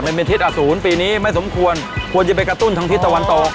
มันเป็นทิศอสูรปีนี้ไม่สมควรควรจะไปกระตุ้นทางทิศตะวันตก